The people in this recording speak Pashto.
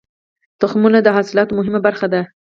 تخمونه د حاصلاتو مهمه برخه ده.